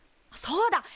そうだ！